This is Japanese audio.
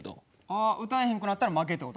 歌えへんくなったら負けって事？